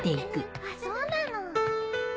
・あっそうなの。